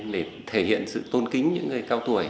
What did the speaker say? để thể hiện sự tôn kính những người cao tuổi